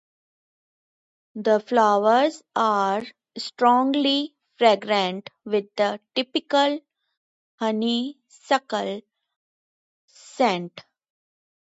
The flowers are strongly fragrant with the typical honeysuckle scent.